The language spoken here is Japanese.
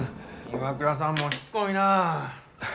岩倉さんもしつこいなぁ。